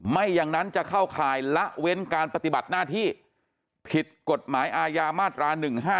ไม่อย่างนั้นจะเข้าข่ายละเว้นการปฏิบัติหน้าที่ผิดกฎหมายอาญามาตรา๑๕